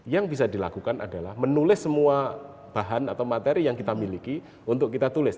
yang bisa dilakukan adalah menulis semua bahan atau materi yang kita miliki untuk kita tulis